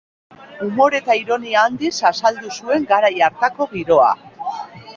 Umore eta ironia handiz azaldu zuen garai hartako giroa.